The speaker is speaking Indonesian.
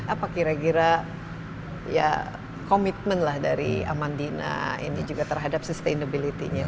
apa kira kira ya komitmen lah dari amandina ini juga terhadap sustainability nya